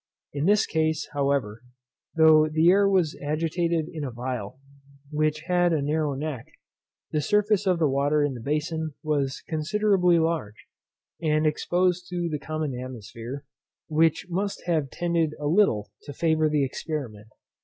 In this case, however, though the air was agitated in a phial, which had a narrow neck, the surface of the water in the bason was considerably large, and exposed to the common atmosphere, which must have tended a little to favour the experiment.